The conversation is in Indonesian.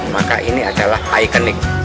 maka ini adalah ikonik